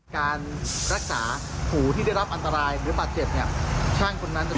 ค่ะฟังค่ะ